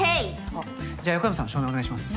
あっじゃあ横山さん照明お願いします。